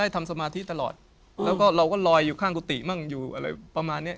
ทำสมาธิตลอดแล้วก็เราก็ลอยอยู่ข้างกุฏิมั่งอยู่อะไรประมาณเนี้ย